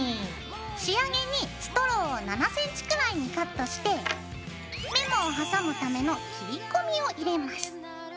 仕上げにストローを７ｃｍくらいにカットしてメモを挟むための切り込みを入れます。